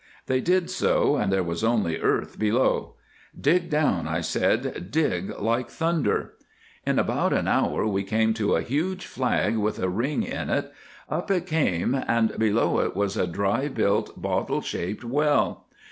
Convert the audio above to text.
"They did so, and there was only earth below. "'Dig down,' I said, 'dig like thunder,' "In about an hour we came to a huge flag with a ring in it. Up it came, and below it was a dryly built bottle shaped well.